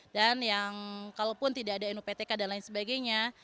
dan yang kalaupun tidak ada nuptk dan lain sebagainya